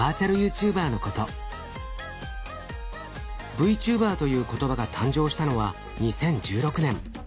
ＶＴｕｂｅｒという言葉が誕生したのは２０１６年。